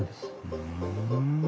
ふん。